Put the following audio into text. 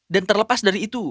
dan terlepas dari itu